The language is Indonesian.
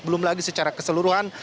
belum lagi secara keseluruhan